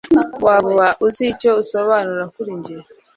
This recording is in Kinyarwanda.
Waba uzi icyo usobanura kuri njye